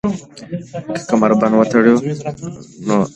که کمربند وتړو نو نه ژوبلیږو.